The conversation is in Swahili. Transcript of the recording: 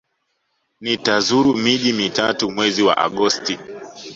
Nitazuru miji mitatu mwezi wa Agosti.